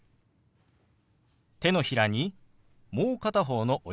手のひらにもう片方の親指を当てます。